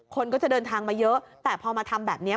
คนก็จะเดินทางมาเยอะแต่พอมาทำแบบนี้